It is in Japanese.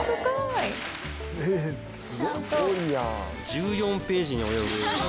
１４ページに及ぶ。